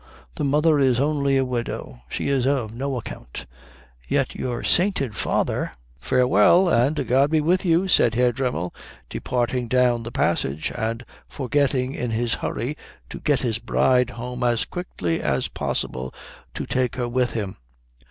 The mother is only a widow. She is of no account. Yet your sainted father " "Farewell, and God be with you," said Herr Dremmel, departing down the passage and forgetting in his hurry to get his bride home as quickly as possible to take her with him.